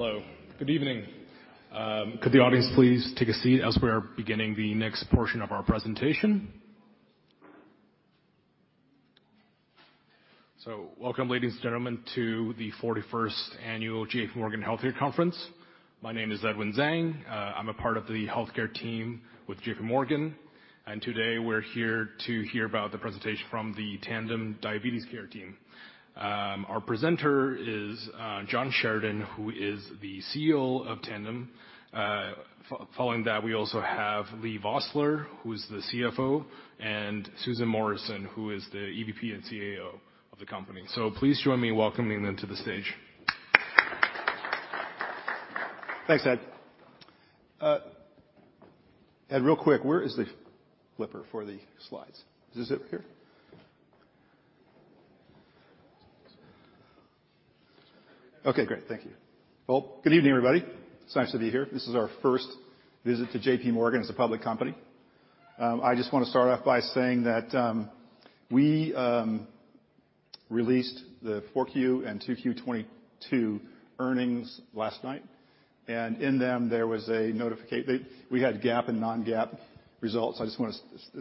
Hello, good evening. Could the audience please take a seat as we are beginning the next portion of our presentation? Welcome, ladies and gentlemen, to the 41st annual J.P. Morgan Healthcare Conference. My name is Edwin Zeng. I'm a part of the healthcare team with JPMorgan. Today we're here to hear about the presentation from the Tandem Diabetes Care team. Our presenter is John Sheridan, who is the CEO of Tandem. Following that, we also have Leigh Vosseller, who is the CFO, and Susan Morrison, who is the EVP and CAO of the company. Please join me in welcoming them to the stage. Thanks, Ed. Ed, real quick, where is the flipper for the slides? Is this it here? Okay, great. Thank you. Well, good evening, everybody. It's nice to be here. This is our first visit to JPMorgan as a public company. I just wanna start off by saying that we released the 4Q and 2Q 2022 earnings last night, and in them, We had GAAP and non-GAAP results. I just wanna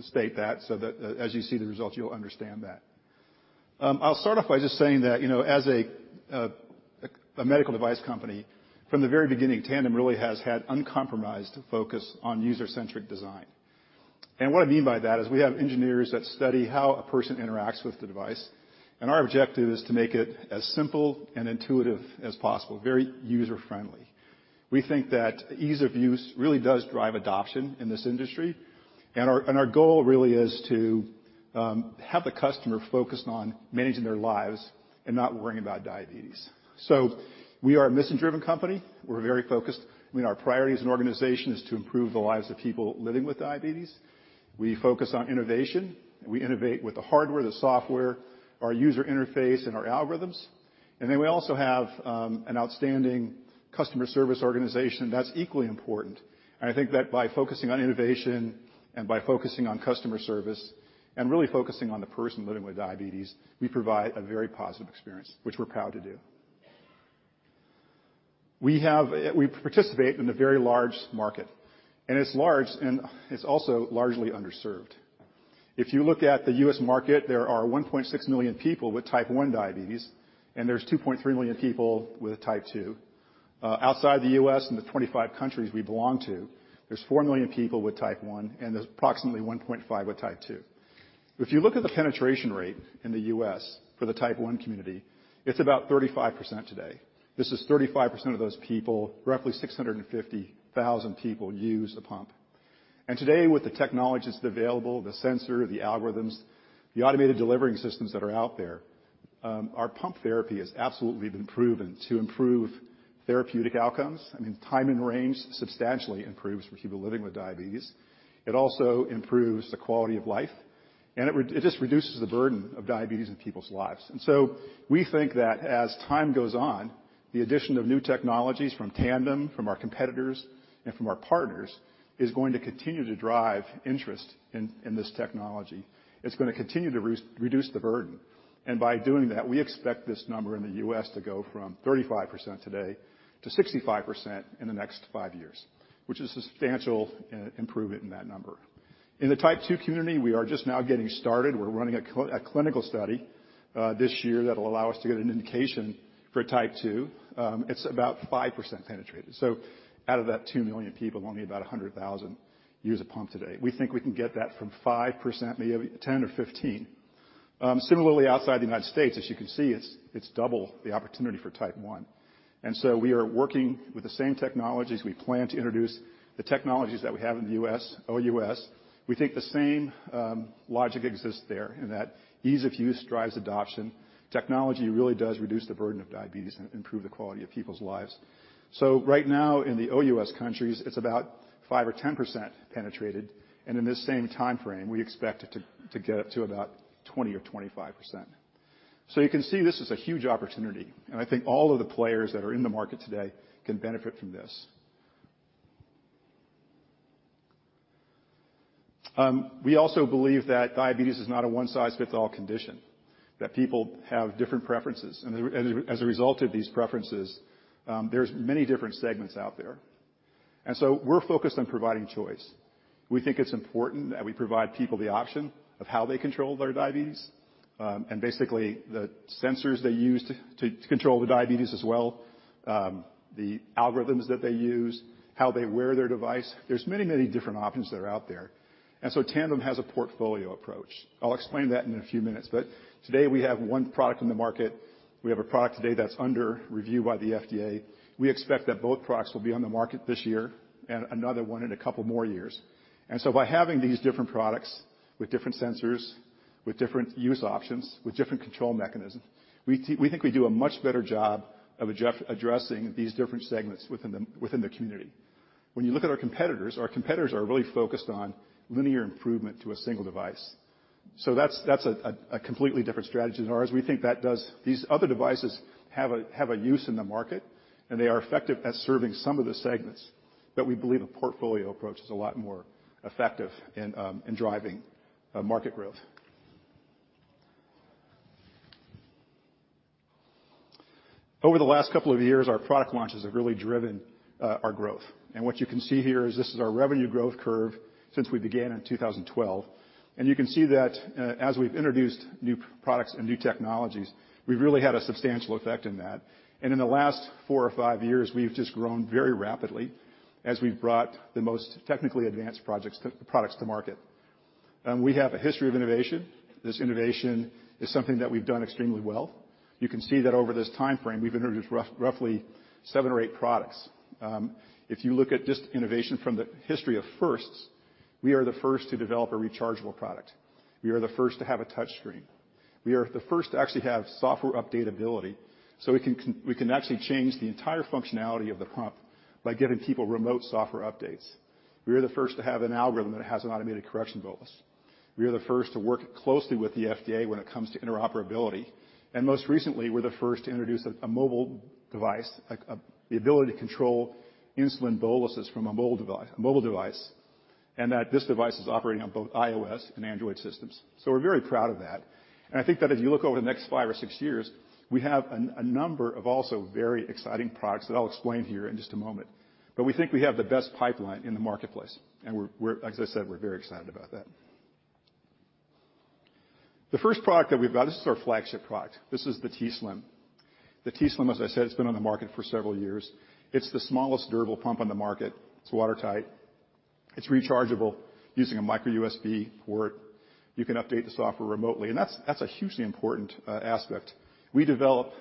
state that so that as you see the results, you'll understand that. I'll start off by just saying that, you know, as a medical device company, from the very beginning, Tandem really has had uncompromised focus on user-centric design. What I mean by that is we have engineers that study how a person interacts with the device, and our objective is to make it as simple and intuitive as possible, very user-friendly. We think that ease of use really does drive adoption in this industry. Our goal really is to have the customer focused on managing their lives and not worrying about diabetes. We are a mission-driven company. We're very focused. I mean, our priority as an organization is to improve the lives of people living with diabetes. We focus on innovation. We innovate with the hardware, the software, our user interface, and our algorithms. We also have an outstanding customer service organization that's equally important. I think that by focusing on innovation and by focusing on customer service and really focusing on the person living with diabetes, we provide a very positive experience, which we're proud to do. We have, we participate in a very large market, and it's large, and it's also largely underserved. If you look at the U.S. market, there are 1.6 million people with type 1 diabetes, and there's 2.3 million people with type 2. Outside the U.S., in the 25 countries we belong to, there's 4 million people with type 1, and there's approximately 1.5 million with type 2. If you look at the penetration rate in the U.S. for the type 1 community, it's about 35% today. This is 35% of those people. Roughly 650,000 people use the pump. Today, with the technologies available, the sensor, the algorithms, the automated delivering systems that are out there, our pump therapy has absolutely been proven to improve therapeutic outcomes. I mean, Time in Range substantially improves for people living with diabetes. It also improves the quality of life, and it just reduces the burden of diabetes in people's lives. So we think that as time goes on, the addition of new technologies from Tandem, from our competitors, and from our partners, is going to continue to drive interest in this technology. It's gonna continue to reduce the burden. By doing that, we expect this number in the U.S. to go from 35% today to 65% in the next five years, which is a substantial improvement in that number. In the type 2 community, we are just now getting started. We're running a clinical study this year that'll allow us to get an indication for type 2. It's about 5% penetrated. Out of that 2 million people, only about 100,000 use a pump today. We think we can get that from 5% maybe to 10% or 15%. Similarly, outside the United States, as you can see, it's double the opportunity for type 1. We are working with the same technologies. We plan to introduce the technologies that we have in the US, OUS. We think the same logic exists there in that ease of use drives adoption. Technology really does reduce the burden of diabetes and improve the quality of people's lives. Right now in the OUS countries, it's about 5% or 10% penetrated. In this same timeframe, we expect it to get up to about 20% or 25%. You can see this is a huge opportunity, and I think all of the players that are in the market today can benefit from this. We also believe that diabetes is not a one-size-fits-all condition, that people have different preferences. As a result of these preferences, there's many different segments out there. We're focused on providing choice. We think it's important that we provide people the option of how they control their diabetes, and basically the sensors they use to control the diabetes as well, the algorithms that they use, how they wear their device. There's many, many different options that are out there. Tandem has a portfolio approach. I'll explain that in a few minutes, but today we have one product in the market. We have a product today that's under review by the FDA. We expect that both products will be on the market this year, and another one in a couple more years. By having these different products with different sensors, with different use options, with different control mechanisms, we think we do a much better job of addressing these different segments within the community. When you look at our competitors, our competitors are really focused on linear improvement to a single device. That's a completely different strategy than ours. We think these other devices have a use in the market, and they are effective at serving some of the segments, but we believe a portfolio approach is a lot more effective in driving market growth. Over the last couple of years, our product launches have really driven our growth. What you can see here is this is our revenue growth curve since we began in 2012. You can see that as we've introduced new products and new technologies, we've really had a substantial effect in that. In the last four or five years, we've just grown very rapidly as we've brought the most technically advanced products to market. We have a history of innovation. This innovation is something that we've done extremely well. You can see that over this timeframe, we've introduced roughly seven or eight products. If you look at just innovation from the history of firsts, we are the first to develop a rechargeable product. We are the first to have a touch screen. We are the first to actually have software updatability, so we can actually change the entire functionality of the pump by giving people remote software updates. We are the first to have an algorithm that has an automatic correction bolus. We are the first to work closely with the FDA when it comes to interoperability. Most recently, we're the first to introduce a mobile device, like, the ability to control insulin boluses from a mobile device, and that this device is operating on both iOS and Android systems. We're very proud of that. I think that if you look over the next five or six years, we have a number of also very exciting products that I'll explain here in just a moment. We think we have the best pipeline in the marketplace. We're, as I said, we're very excited about that. The first product that we've got, this is our flagship product. This is the t:slim. The t:slim, as I said, has been on the market for several years. It's the smallest durable pump on the market. It's watertight, it's rechargeable using a micro-USB port. You can update the software remotely, and that's a hugely important aspect. We develop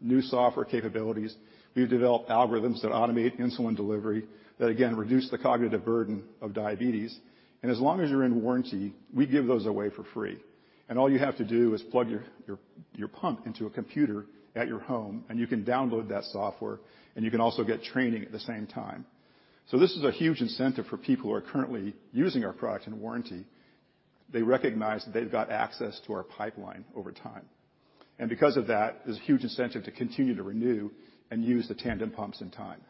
new software capabilities. We develop algorithms that automate insulin delivery that again, reduce the cognitive burden of diabetes. As long as you're in warranty, we give those away for free. All you have to do is plug your pump into a computer at your home, and you can download that software, and you can also get training at the same time. This is a huge incentive for people who are currently using our product and warranty. They recognize that they've got access to our pipeline over time. Because of that, there's a huge incentive to continue to renew and use the Tandem pumps in time.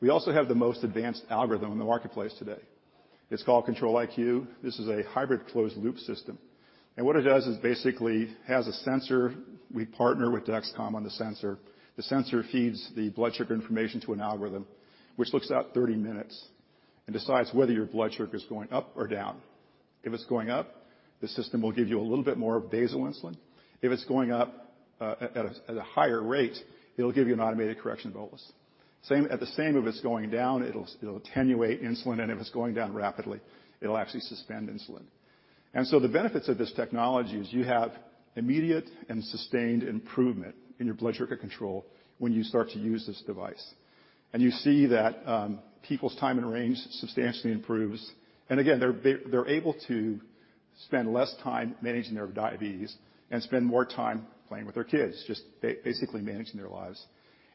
We also have the most advanced algorithm in the marketplace today. It's called Control-IQ. This is a hybrid closed-loop system. What it does is basically has a sensor. We partner with Dexcom on the sensor. The sensor feeds the blood sugar information to an algorithm which looks out 30 minutes and decides whether your blood sugar is going up or down. If it's going up, the system will give you a little bit more of basal insulin. If it's going up at a higher rate, it'll give you an automated correction bolus. If it's going down, it'll attenuate insulin, and if it's going down rapidly, it'll actually suspend insulin. The benefits of this technology is you have immediate and sustained improvement in your blood sugar control when you start to use this device. You see that people's Time in Range substantially improves. Again, they're able to spend less time managing their diabetes and spend more time playing with their kids, just basically managing their lives.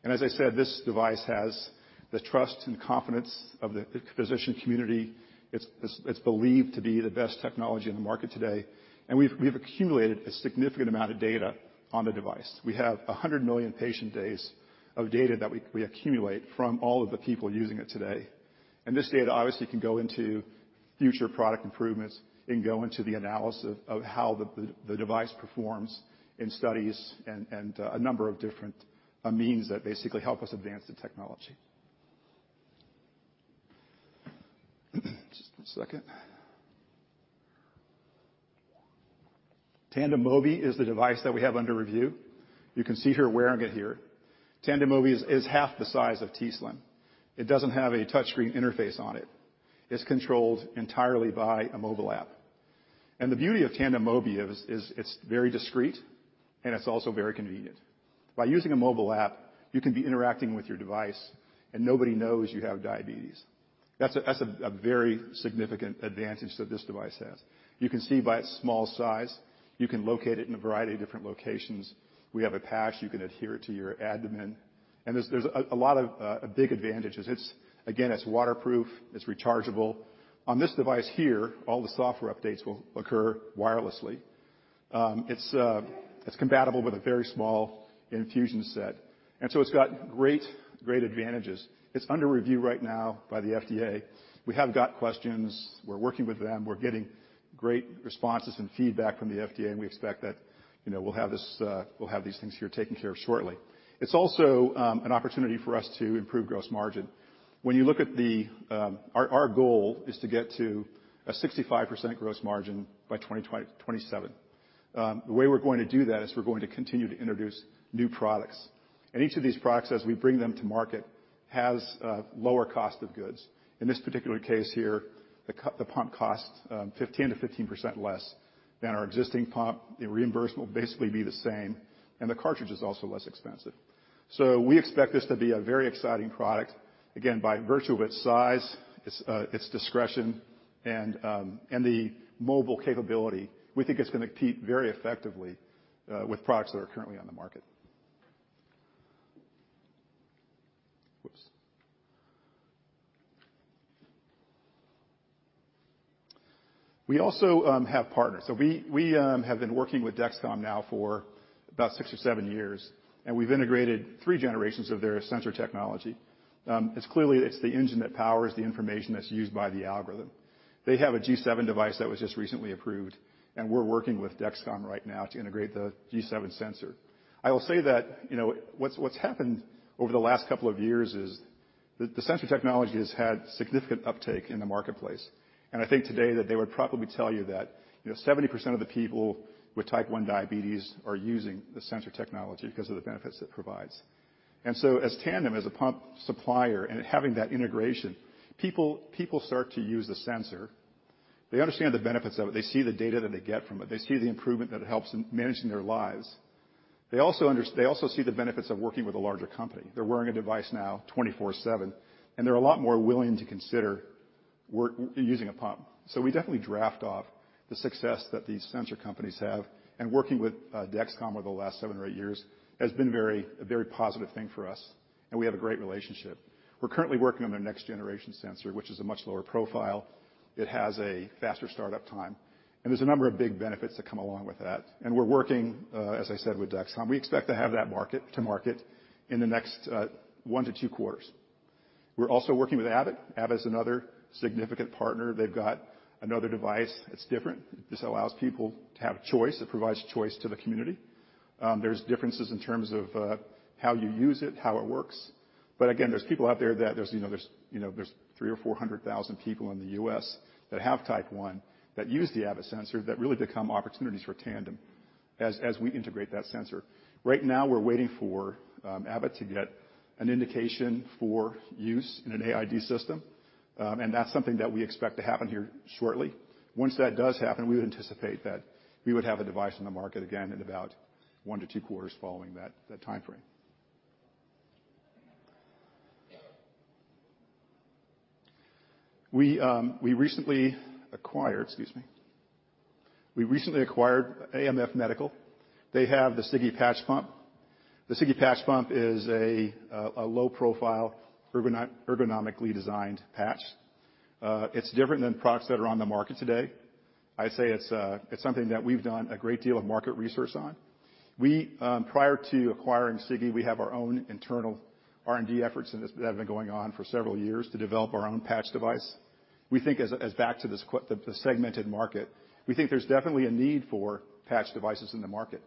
As I said, this device has the trust and confidence of the physician community. It's believed to be the best technology in the market today. We've accumulated a significant amount of data on the device. We have 100 million patient days of data that we accumulate from all of the people using it today. This data, obviously, can go into future product improvements and go into the analysis of how the device performs in studies and a number of different means that basically help us advance the technology. Just one second. Tandem Mobi is the device that we have under review. You can see here, wearing it here. Tandem Mobi is half the size of t:slim. It doesn't have a touch screen interface on it. It's controlled entirely by a mobile app. The beauty of Tandem Mobi is it's very discreet, and it's also very convenient. By using a mobile app, you can be interacting with your device and nobody knows you have diabetes. That's a very significant advantage that this device has. You can see by its small size, you can locate it in a variety of different locations. We have a patch, you can adhere it to your abdomen. There's a lot of big advantages. It's, again, it's waterproof, it's rechargeable. On this device here, all the software updates will occur wirelessly. It's compatible with a very small infusion set, and so it's got great advantages. It's under review right now by the FDA. We have got questions. We're working with them. We're getting great responses and feedback from the FDA, and we expect that, you know, we'll have these things here taken care of shortly. It's also an opportunity for us to improve gross margin. When you look at the, our goal is to get to a 65% gross margin by 2027. The way we're going to do that is we're going to continue to introduce new products. Each of these products, as we bring them to market, has a lower cost of goods. In this particular case here, the pump costs 15% less than our existing pump. The reimburse will basically be the same, and the cartridge is also less expensive. We expect this to be a very exciting product. Again, by virtue of its size, its discretion, and the mobile capability, we think it's gonna compete very effectively with products that are currently on the market. Whoops. We also have partners. We have been working with Dexcom now for about six or seven years, and we've integrated three generations of their sensor technology. It's clearly, it's the engine that powers the information that's used by the algorithm. They have a G7 device that was just recently approved, and we're working with Dexcom right now to integrate the G7 sensor. I will say that, you know, what's happened over the last couple of years is the sensor technology has had significant uptake in the marketplace. I think today that they would probably tell you that, you know, 70% of the people with type 1 diabetes are using the sensor technology because of the benefits it provides. As Tandem, as a pump supplier and it having that integration, people start to use the sensor. They understand the benefits of it. They see the data that they get from it. They see the improvement that it helps in managing their lives. They also see the benefits of working with a larger company. They're wearing a device now 24/7, and they're a lot more willing to consider using a pump. We definitely draft off the success that these sensor companies have. Working with Dexcom over the last seven or eight years has been a very positive thing for us, and we have a great relationship. We're currently working on their next generation sensor, which is a much lower profile. It has a faster startup time, and there's a number of big benefits that come along with that. We're working, as I said, with Dexcom. We expect to have that to market in the next one to two quarters. We're also working with Abbott. Abbott's another significant partner. They've got another device that's different. This allows people to have choice. It provides choice to the community. There's differences in terms of how you use it, how it works. Again, there's people out there that, you know, there's 300,000 or 400,000 people in the U.S. that have type 1 that use the Abbott sensor that really become opportunities for Tandem as we integrate that sensor. Right now we're waiting for Abbott to get an indication for use in an AID system. That's something that we expect to happen here shortly. Once that does happen, we would anticipate that we would have a device on the market again in about one to two quarters following that timeframe. We recently acquired, excuse me. We recently acquired AMF Medical. They have the Sigi Patch Pump. The Sigi Patch Pump is a low profile ergonomically designed patch. It's different than products that are on the market today. I'd say it's something that we've done a great deal of market research on. We, prior to acquiring Sigi, we have our own internal R&D efforts that have been going on for several years to develop our own patch device. We think as back to this the segmented market, we think there's definitely a need for patch devices in the market.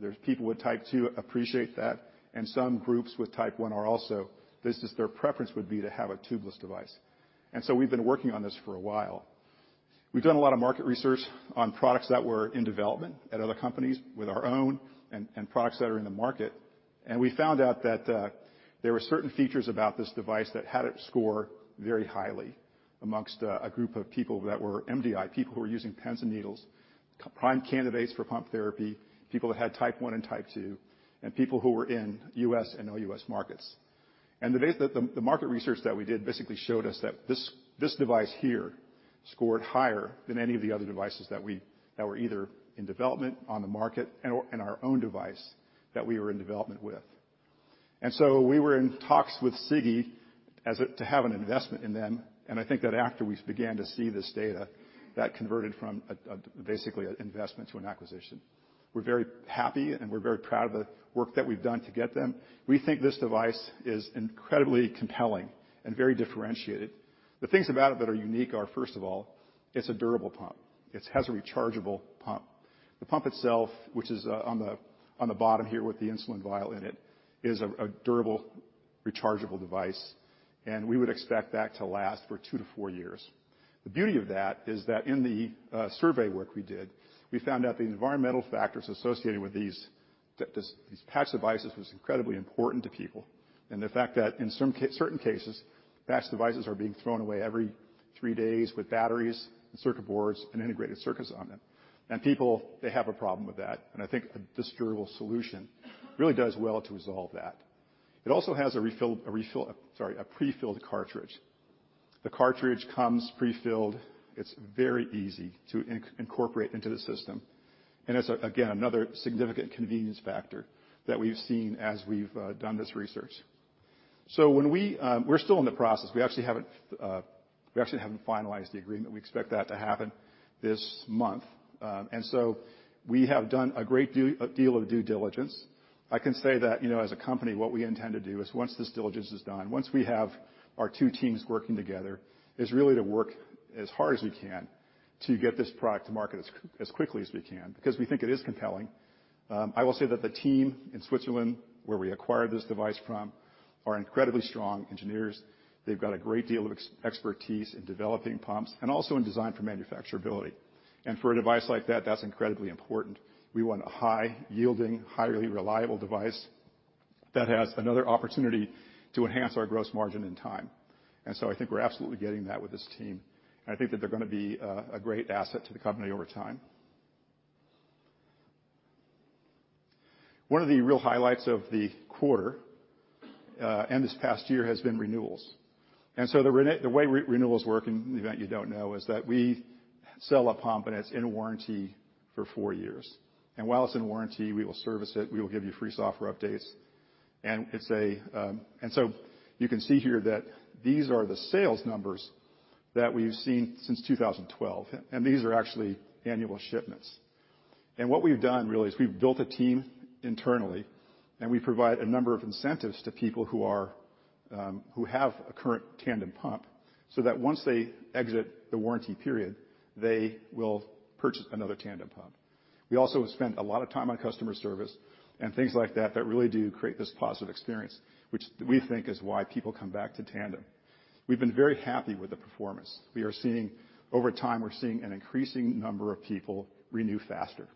There's people with type 2 appreciate that, and some groups with type 1 are also. This is their preference would be to have a tubeless device. We've been working on this for a while. We've done a lot of market research on products that were in development at other companies with our own and products that are in the market. We found out that there were certain features about this device that had it score very highly amongst a group of people that were MDI, people who were using pens and needles, prime candidates for pump therapy, people that had type 1 and type 2, and people who were in US and OUS markets. The market research that we did basically showed us that this device here scored higher than any of the other devices that were either in development on the market and our own device that we were in development with. We were in talks with Sigi to have an investment in them, and I think that after we began to see this data, that converted from basically an investment to an acquisition. We're very happy, and we're very proud of the work that we've done to get them. We think this device is incredibly compelling and very differentiated. The things about it that are unique are, first of all, it's a durable pump. It has a rechargeable pump. The pump itself, which is on the bottom here with the insulin vial in it, is a durable rechargeable device, and we would expect that to last for two to four years. The beauty of that is that in the survey work we did, we found out the environmental factors associated with these patch devices was incredibly important to people. The fact that in some certain cases, patch devices are being thrown away every three days with batteries and circuit boards and integrated circuits on them. People, they have a problem with that. I think this durable solution really does well to resolve that. It also has a refill, sorry, a prefilled cartridge. The cartridge comes prefilled. It's very easy to incorporate into the system. It's a, again, another significant convenience factor that we've seen as we've done this research. We're still in the process. We actually haven't finalized the agreement. We expect that to happen this month. We have done a great deal of due diligence. I can say that, you know, as a company, what we intend to do is once this diligence is done, once we have our two teams working together, is really to work as hard as we can to get this product to market as quickly as we can because we think it is compelling. I will say that the team in Switzerland, where we acquired this device from, are incredibly strong engineers. They've got a great deal of expertise in developing pumps and also in design for manufacturability. For a device like that's incredibly important. We want a high yielding, highly reliable device that has another opportunity to enhance our gross margin in time. I think we're absolutely getting that with this team. I think that they're gonna be a great asset to the company over time. One of the real highlights of the quarter, this past year has been renewals. The way renewals work, in the event you don't know, is that we sell a pump, and it's in warranty for four years. While it's in warranty, we will service it, we will give you free software updates. You can see here that these are the sales numbers that we've seen since 2012, and these are actually annual shipments. What we've done really is we've built a team internally, and we provide a number of incentives to people who have a current Tandem pump, so that once they exit the warranty period, they will purchase another Tandem pump. We also have spent a lot of time on customer service and things like that really do create this positive experience, which we think is why people come back to Tandem. We've been very happy with the performance. Over time, we're seeing an increasing number of people renew faster.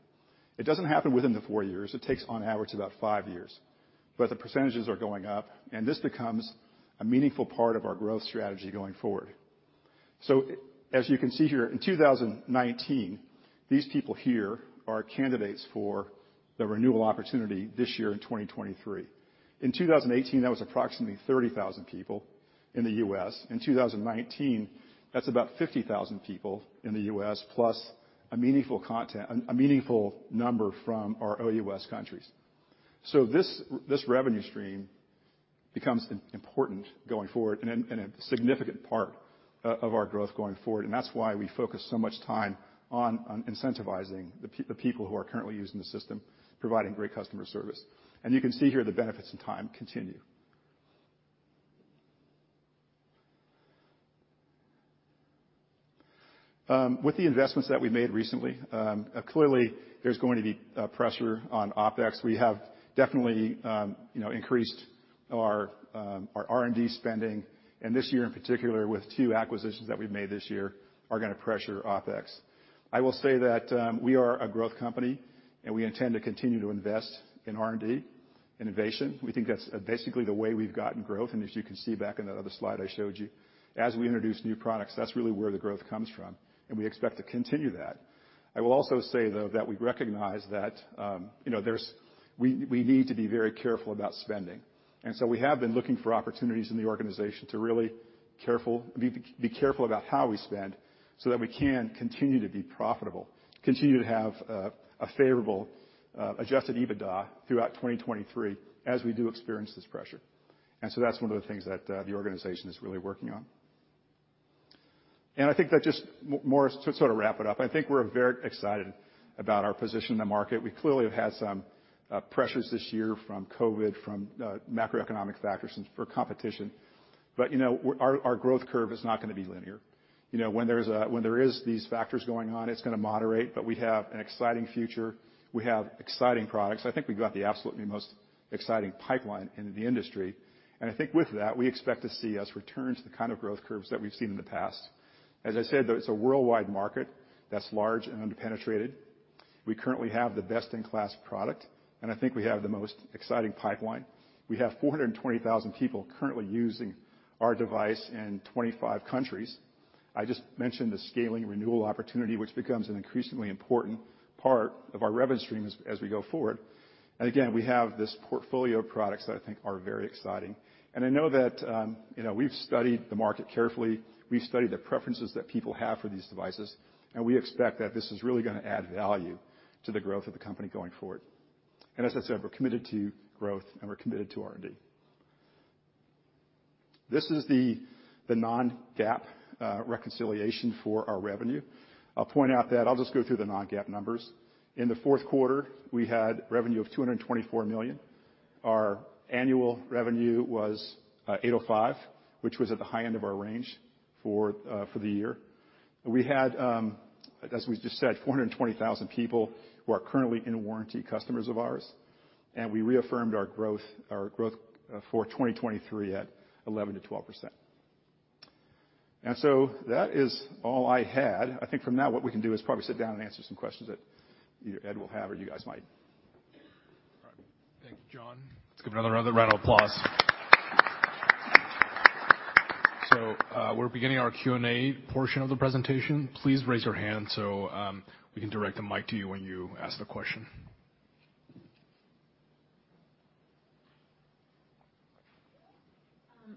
It doesn't happen within the four years. It takes on average about five years, but the percentages are going up, and this becomes a meaningful part of our growth strategy going forward. As you can see here, in 2019, these people here are candidates for the renewal opportunity this year in 2023. In 2018, that was approximately 30,000 people in the U.S. In 2019, that's about 50,000 people in the U.S., plus a meaningful number from our OUS countries. This revenue stream becomes important going forward and a significant part of our growth going forward, and that's why we focus so much time on incentivizing the people who are currently using the system, providing great customer service. You can see here the benefits and time continue. With the investments that we made recently, clearly there's going to be pressure on OpEx. We have definitely, you know, increased our R&D spending, and this year in particular, with two acquisitions that we've made this year are gonna pressure OpEx. I will say that we are a growth company, and we intend to continue to invest in R&D innovation. We think that's basically the way we've gotten growth. As you can see back in that other slide I showed you, as we introduce new products, that's really where the growth comes from, and we expect to continue that. I will also say, though, that we recognize that, you know, we need to be very careful about spending. We have been looking for opportunities in the organization to be careful about how we spend so that we can continue to be profitable, continue to have a favorable adjusted EBITDA throughout 2023 as we do experience this pressure. That's one of the things that the organization is really working on. I think that just more to sort of wrap it up, I think we're very excited about our position in the market. We clearly have had some pressures this year from COVID, from macroeconomic factors and for competition. You know, our growth curve is not gonna be linear. You know, when there's when there is these factors going on, it's gonna moderate, but we have an exciting future. We have exciting products. I think we've got the absolutely most exciting pipeline in the industry. I think with that, we expect to see us return to the kind of growth curves that we've seen in the past. As I said, though, it's a worldwide market that's large and under-penetrated. We currently have the best-in-class product, and I think we have the most exciting pipeline. We have 420,000 people currently using our device in 25 countries. I just mentioned the scaling renewal opportunity, which becomes an increasingly important part of our revenue stream as we go forward. Again, we have this portfolio of products that I think are very exciting. I know that, you know, we've studied the market carefully. We've studied the preferences that people have for these devices, and we expect that this is really gonna add value to the growth of the company going forward. As I said, we're committed to growth, and we're committed to R&D. This is the non-GAAP reconciliation for our revenue. I'll point out that I'll just go through the non-GAAP numbers. In the fourth quarter, we had revenue of $224 million. Our annual revenue was $805 million, which was at the high end of our range for the year. We had, as we just said, 420,000 people who are currently in warranty customers of ours, and we reaffirmed our growth for 2023 at 11%-12%. That is all I had. I think from now what we can do is probably sit down and answer some questions that either Ed will have or you guys might. All right. Thank you, John. Let's give another round of applause. We're beginning our Q&A portion of the presentation. Please raise your hand so we can direct the mic to you when you ask the question.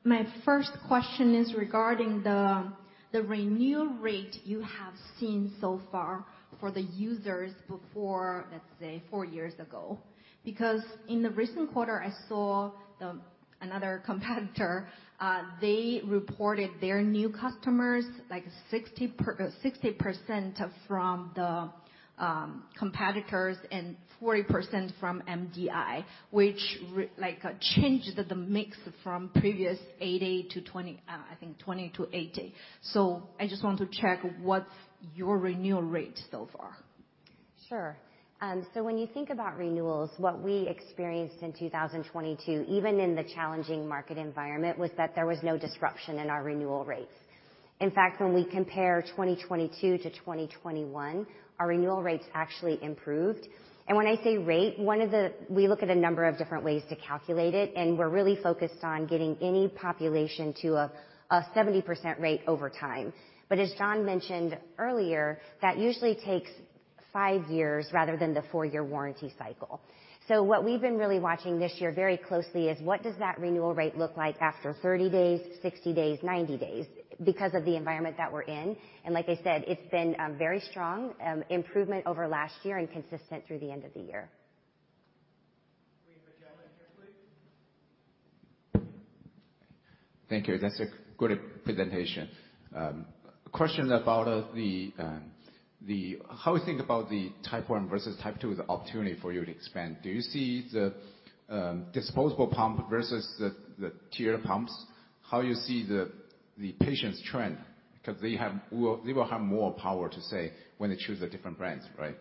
My first question is regarding the renewal rate you have seen so far for the users before, let's say, four years ago. Because in the recent quarter, I saw another competitor, they reported their new customers like 60% from the competitors and 40% from MDI, which like changed the mix from previous 80% to 20%, I think 20% to 80%. I just want to check what's your renewal rate so far? Sure. When you think about renewals, what we experienced in 2022, even in the challenging market environment, was that there was no disruption in our renewal rates. In fact, when we compare 2022 to 2021, our renewal rates actually improved. When I say rate, we look at a number of different ways to calculate it, and we're really focused on getting any population to a 70% rate over time. As John mentioned earlier, that usually takes five years rather than the four-year warranty cycle. What we've been really watching this year very closely is what does that renewal rate look like after 30 days, 60 days, 90 days, because of the environment that we're in. Like I said, it's been, very strong, improvement over last year and consistent through the end of the year. Thank you. That's a good presentation. Question about how we think about the type 1 versus type 2 as an opportunity for you to expand. Do you see the disposable pump versus the tier pumps? How you see the patients trend? Because they will have more power to say when they choose the different brands, right?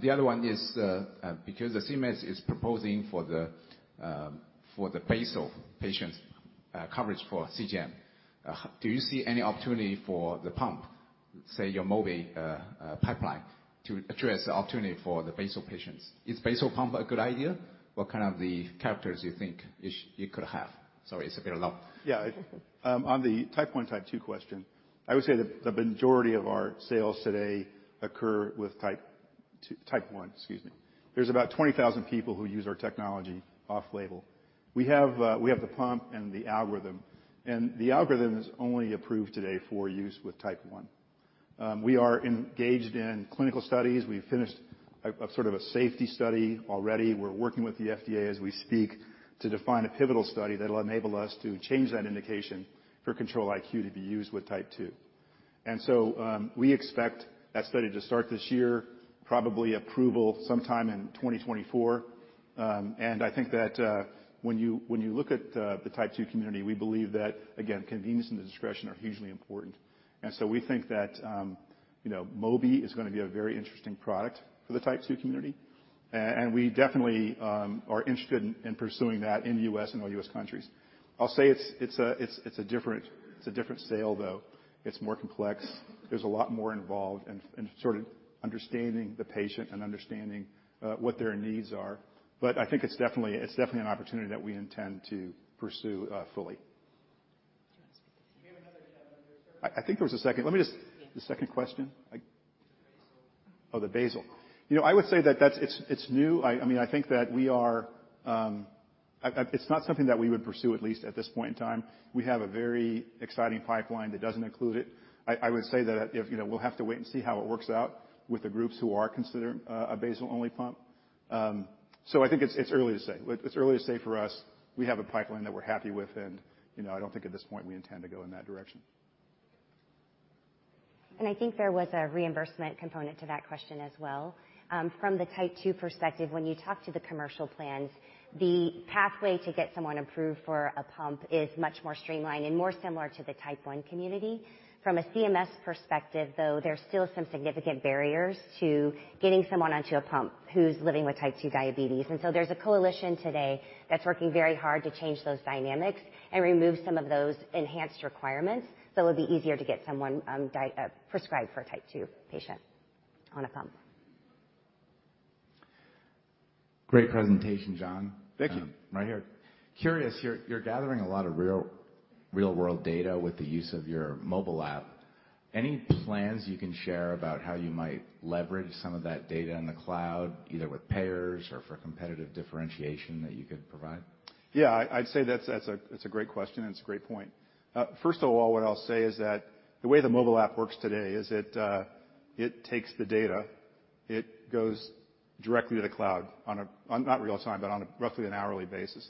The other one is because the CMS is proposing for the basal patients coverage for CGM. Do you see any opportunity for the pump, say, your Mobi pipeline, to address the opportunity for the basal patients? Is basal pump a good idea? What kind of the characters you think it could have? Sorry, it's a bit a lot. Yeah. On the type 1, type 2 question, I would say that the majority of our sales today occur with type 1, excuse me. There's about 20,000 people who use our technology off-label. We have, we have the pump and the algorithm, and the algorithm is only approved today for use with type 1. We are engaged in clinical studies. We've finished a sort of a safety study already. We're working with the FDA as we speak, to define a pivotal study that'll enable us to change that indication for Control-IQ to be used with type 2. We expect that study to start this year, probably approval sometime in 2024. I think that when you look at the type 2 community, we believe that, again, convenience and discretion are hugely important. We think that, you know, Mobi is gonna be a very interesting product for the type 2 community. We definitely are interested in pursuing that in the U.S. and all U.S. countries. I'll say it's a different sale, though. It's more complex. There's a lot more involved in understanding the patient and understanding what their needs are. I think it's definitely an opportunity that we intend to pursue fully. I think there was a second. Let me just. The second question. The basal. You know, I would say that it's new. I mean, it's not something that we would pursue, at least at this point in time. We have a very exciting pipeline that doesn't include it. I would say that if, you know, we'll have to wait and see how it works out with the groups who are considering a basal-only pump. I think it's early to say. It's early to say for us. We have a pipeline that we're happy with and, you know, I don't think at this point we intend to go in that direction. I think there was a reimbursement component to that question as well. From the type two perspective, when you talk to the commercial plans, the pathway to get someone approved for a pump is much more streamlined and more similar to the type one community. From a CMS perspective, though, there's still some significant barriers to getting someone onto a pump who's living with type two diabetes. There's a coalition today that's working very hard to change those dynamics and remove some of those enhanced requirements, so it'll be easier to get someone prescribed for a type two patient on a pump. Great presentation, John. Thank you. Right here. Curious, you're gathering a lot of real-world data with the use of your mobile app. Any plans you can share about how you might leverage some of that data in the cloud, either with payers or for competitive differentiation that you could provide? Yeah. I'd say that's a, it's a great question and it's a great point. First of all, what I'll say is that the way the mobile app works today is it takes the data, it goes directly to the cloud on not real-time, but on a roughly an hourly basis.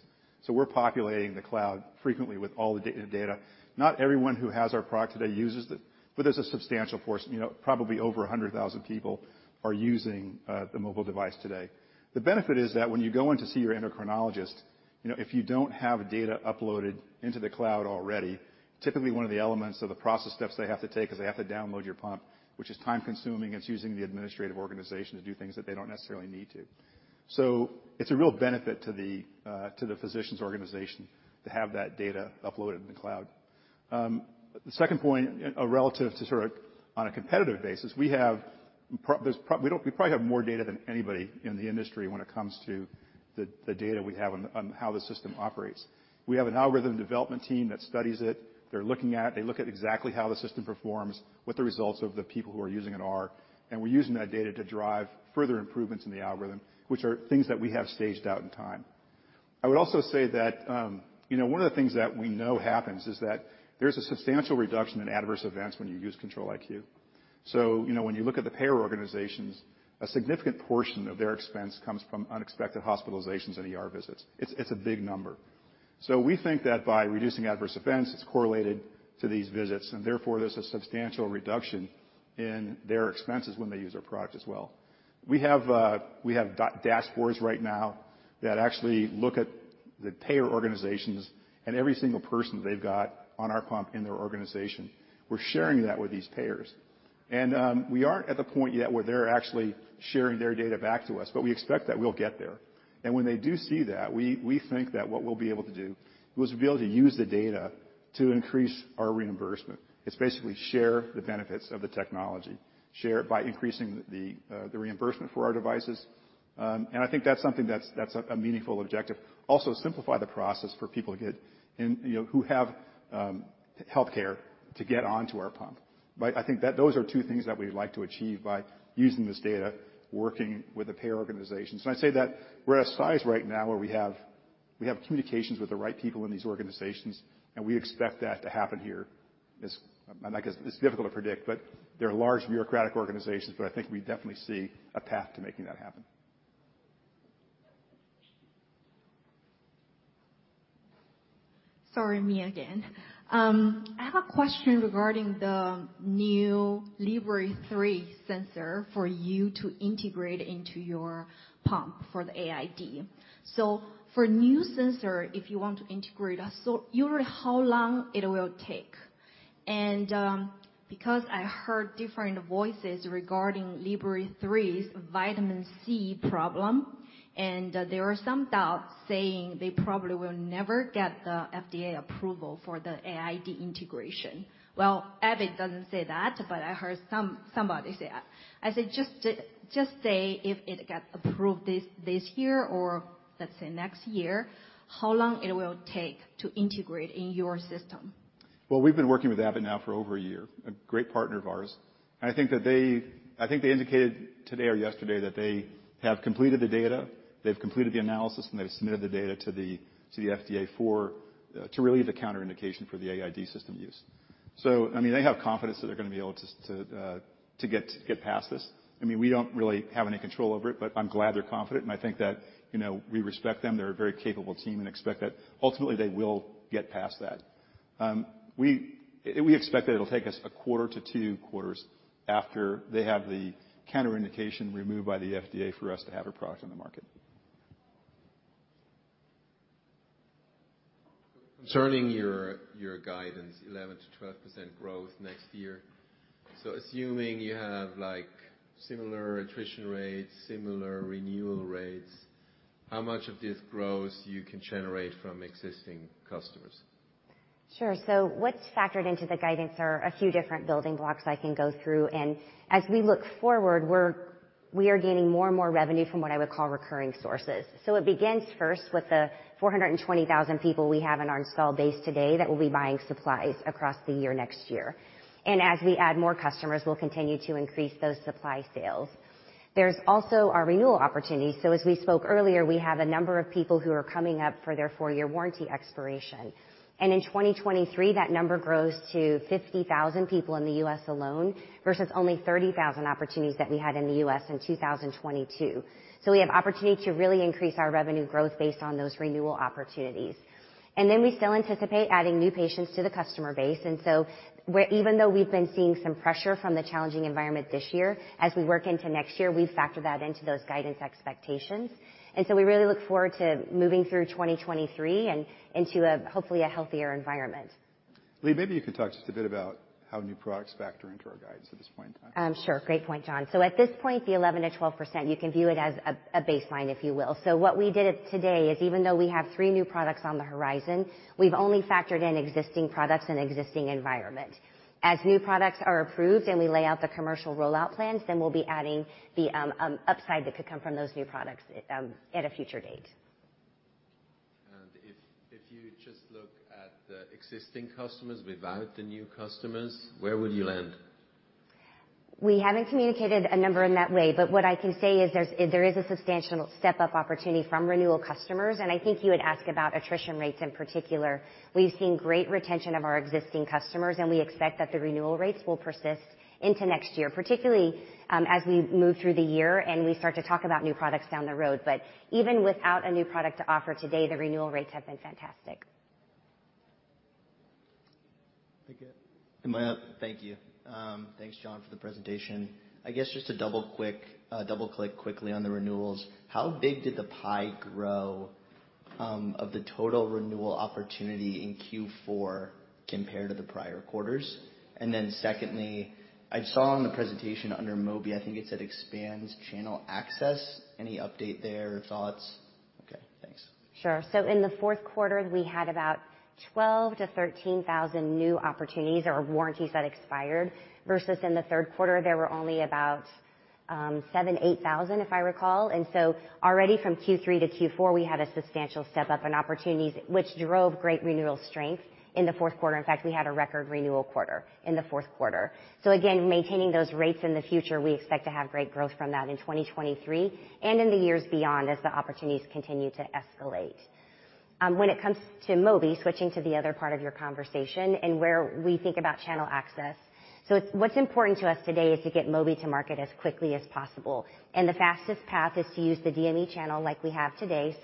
We're populating the cloud frequently with all the data. Not everyone who has our product today uses it, but there's a substantial portion, you know, probably over 100,000 people are using the mobile device today. The benefit is that when you go in to see your endocrinologist, you know, if you don't have data uploaded into the cloud already, typically one of the elements of the process steps they have to take is they have to download your pump, which is time-consuming, it's using the administrative organization to do things that they don't necessarily need to. It's a real benefit to the physician's organization to have that data uploaded in the cloud. The second point, relative to sort of on a competitive basis, we probably have more data than anybody in the industry when it comes to the data we have on how the system operates. We have an algorithm development team that studies it. They're looking at it. They look at exactly how the system performs, what the results of the people who are using it are, and we're using that data to drive further improvements in the algorithm, which are things that we have staged out in time. I would also say that, you know, one of the things that we know happens is that there's a substantial reduction in adverse events when you use Control-IQ. You know, when you look at the payer organizations, a significant portion of their expense comes from unexpected hospitalizations and ER visits. It's a big number. We think that by reducing adverse events, it's correlated to these visits, and therefore, there's a substantial reduction in their expenses when they use our product as well. We have dashboards right now that actually look at the payer organizations and every single person they've got on our pump in their organization. We're sharing that with these payers. We aren't at the point yet where they're actually sharing their data back to us, but we expect that we'll get there. When they do see that, we think that what we'll be able to do is we'll be able to use the data to increase our reimbursement. It's basically share the benefits of the technology, share it by increasing the reimbursement for our devices. I think that's something that's a meaningful objective. Also, simplify the process for people to get in, you know, who have healthcare to get onto our pump, right? I think that those are two things that we'd like to achieve by using this data, working with the payer organizations. I say that we're at a size right now where we have communications with the right people in these organizations, we expect that to happen here. I guess it's difficult to predict, they're large bureaucratic organizations, I think we definitely see a path to making that happen. Sorry, me again. I have a question regarding the new Libre 3 sensor for you to integrate into your pump for the AID. For new sensor, if you want to integrate us, usually how long it will take? Because I heard different voices regarding Libre 3's vitamin C problem, and there are some doubts saying they probably will never get the FDA approval for the AID integration. Abbott doesn't say that, but I heard somebody say that. I said, just say if it gets approved this year or let's say next year, how long it will take to integrate in your system. We've been working with Abbott now for over a year, a great partner of ours. I think they indicated today or yesterday that they have completed the data, they've completed the analysis, and they've submitted the data to the FDA for to relieve the contraindication for the AID system use. I mean, they have confidence that they're gonna be able to get past this. I mean, we don't really have any control over it, but I'm glad they're confident, and I think that, you know, we respect them. They're a very capable team and expect that ultimately they will get past that. We expect that it'll take us a quarter to two quarters after they have the contraindication removed by the FDA for us to have a product on the market. Concerning your guidance, 11%-12% growth next year. Assuming you have, like, similar attrition rates, similar renewal rates, how much of this growth you can generate from existing customers? Sure. What's factored into the guidance are a few different building blocks I can go through. As we look forward, we are gaining more and more revenue from what I would call recurring sources. It begins first with the 420,000 people we have in our installed base today that will be buying supplies across the year next year. As we add more customers, we'll continue to increase those supply sales. There's also our renewal opportunities. As we spoke earlier, we have a number of people who are coming up for their four-year warranty expiration. In 2023, that number grows to 50,000 people in the U.S. alone versus only 30,000 opportunities that we had in the U.S. in 2022. We have opportunity to really increase our revenue growth based on those renewal opportunities. We still anticipate adding new patients to the customer base. Even though we've been seeing some pressure from the challenging environment this year, as we work into next year, we factor that into those guidance expectations. We really look forward to moving through 2023 and into a hopefully a healthier environment. Leigh, maybe you could talk just a bit about how new products factor into our guidance at this point in time? Sure. Great point, John. At this point, the 11% to 12%, you can view it as a baseline, if you will. What we did today is even though we have three new products on the horizon, we've only factored in existing products and existing environment. As new products are approved and we lay out the commercial rollout plans, then we'll be adding the upside that could come from those new products at a future date. If you just look at the existing customers without the new customers, where would you land? What I can say is there is a substantial step-up opportunity from renewal customers. I think you would ask about attrition rates in particular. We've seen great retention of our existing customers. We expect that the renewal rates will persist into next year, particularly as we move through the year and we start to talk about new products down the road. Even without a new product to offer today, the renewal rates have been fantastic. Thank you. Am I up? Thank you. Thanks, John, for the presentation. I guess just to double-click quickly on the renewals, how big did the pie grow, of the total renewal opportunity in Q4 compared to the prior quarters? Secondly, I saw on the presentation under Mobi, I think it said expands channel access. Any update there? Thoughts? Okay, thanks. Sure. In the fourth quarter, we had about 12,000-13,000 new opportunities or warranties that expired versus in the third quarter, there were only about 7,000-8,000, if I recall. Already from Q3 to Q4, we had a substantial step-up in opportunities which drove great renewal strength in the fourth quarter. In fact, we had a record renewal quarter in the fourth quarter. Again, maintaining those rates in the future, we expect to have great growth from that in 2023 and in the years beyond as the opportunities continue to escalate. When it comes to Mobi, switching to the other part of your conversation and where we think about channel access. What's important to us today is to get Mobi to market as quickly as possible. The fastest path is to use the DME channel like we have today.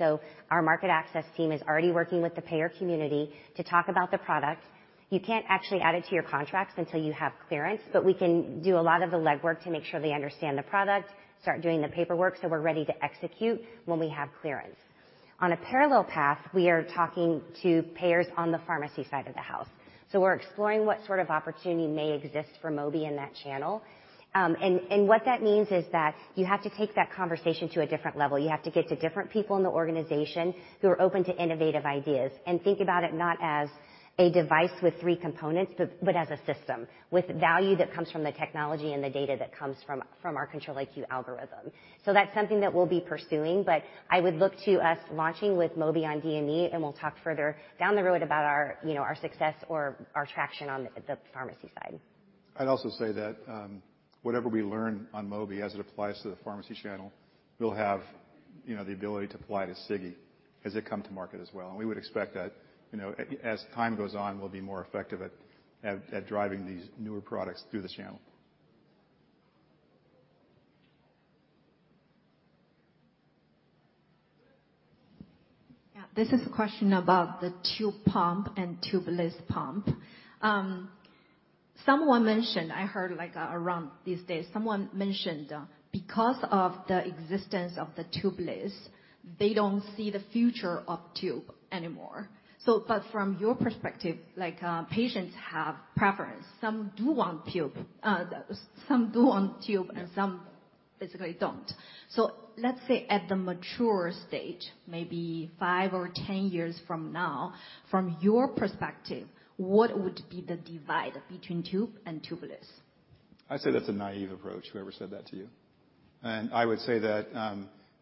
Our market access team is already working with the payer community to talk about the product. You can't actually add it to your contracts until you have clearance, but we can do a lot of the legwork to make sure they understand the product, start doing the paperwork, so we're ready to execute when we have clearance. On a parallel path, we are talking to payers on the pharmacy side of the house. We're exploring what sort of opportunity may exist for Mobi in that channel. And what that means is that you have to take that conversation to a different level. You have to get to different people in the organization who are open to innovative ideas and think about it not as a device with three components, but as a system with value that comes from the technology and the data that comes from our Control-IQ algorithm. That's something that we'll be pursuing. I would look to us launching with Mobi on DME, and we'll talk further down the road about our, you know, our success or our traction on the pharmacy side. I'd also say that, whatever we learn on Mobi as it applies to the pharmacy channel, we'll have, you know, the ability to apply to Sigi as they come to market as well. We would expect that, you know, as time goes on, we'll be more effective at driving these newer products through this channel. Yeah. This is a question about the tube pump and tubeless pump. someone mentioned, I heard like around these days, someone mentioned because of the existence of the tubeless, they don't see the future of tube anymore. But from your perspective, like, patients have preference. Some do want tube, and some basically don't. Let's say at the mature stage, maybe five or 10 years from now, from your perspective, what would be the divide between tube and tubeless? I'd say that's a naive approach, whoever said that to you. I would say that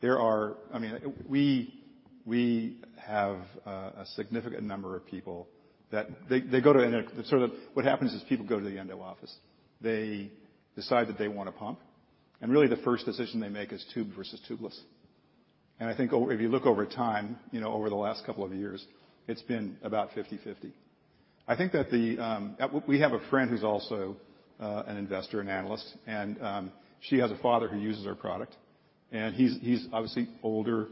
there are... I mean, we have a significant number of people that they go to and they... Sort of what happens is people go to the endo office, they decide that they want a pump, and really the first decision they make is tubed versus tubeless. I think over, if you look over time, you know, over the last couple of years, it's been about 50/50. I think that the We have a friend who's also an investor and analyst, and she has a father who uses our product, and he's obviously older.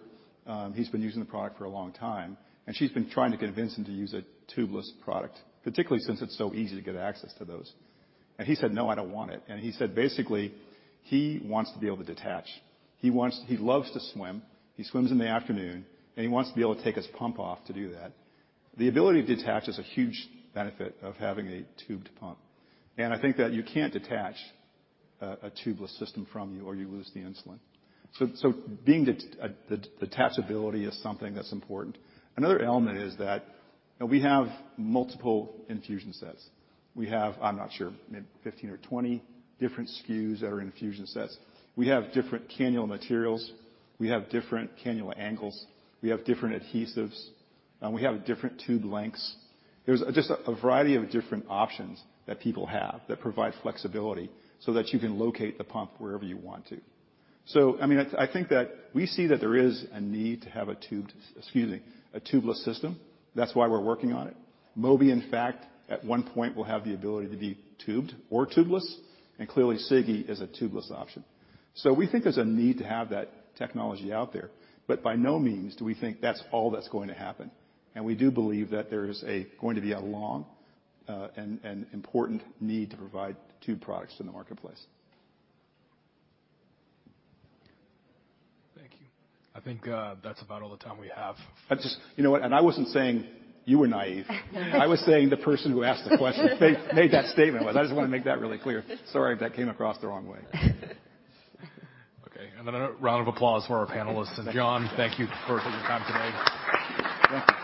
He's been using the product for a long time, and she's been trying to convince him to use a tubeless product, particularly since it's so easy to get access to those. He said, "No, I don't want it." He said, basically, he wants to be able to detach. He loves to swim. He swims in the afternoon, and he wants to be able to take his pump off to do that. The ability to detach is a huge benefit of having a tubed pump. I think that you can't detach a tubeless system from you or you lose the insulin. Being Detachability is something that's important. Another element is that we have multiple infusion sets. We have, I'm not sure, maybe 15 or 20 different SKUs that are infusion sets. We have different cannula materials. We have different cannula angles. We have different adhesives. We have different tube lengths. There's just a variety of different options that people have that provide flexibility so that you can locate the pump wherever you want to. I mean, I think that we see that there is a need to have a tubed, excuse me, a tubeless system. That's why we're working on it. Mobi, in fact, at one point will have the ability to be tubed or tubeless. Clearly Sigi is a tubeless option. We think there's a need to have that technology out there, but by no means do we think that's all that's going to happen. We do believe that there is a going to be a long, and important need to provide tube products in the marketplace. Thank you. I think, that's about all the time we have. You know what? I wasn't saying you were naive. I was saying the person who asked the question made that statement was. I just wanna make that really clear. Sorry if that came across the wrong way. Okay. Then a round of applause for our panelists. John, thank you for your time today.